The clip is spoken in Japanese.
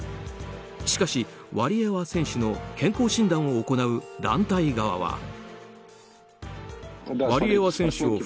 しかし、ワリエワ選手の健康診断を行う団体側は。